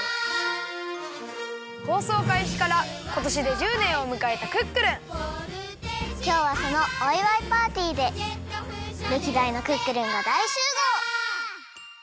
放送かいしからことしで１０年をむかえた「クックルン」きょうはそのおいわいパーティーで歴代のクックルンが大集合！